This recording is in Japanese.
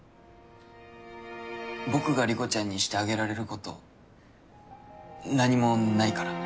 僕が莉子ちゃんにしてあげられること何もないから。